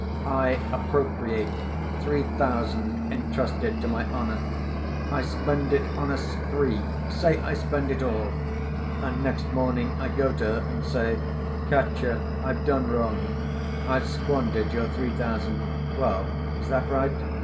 I appropriate three thousand entrusted to my honor, I spend it on a spree, say I spend it all, and next morning I go to her and say, 'Katya, I've done wrong, I've squandered your three thousand,' well, is that right?